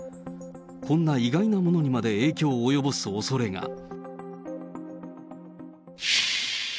こんな意外なものにまで影響を及ぼすおそれが。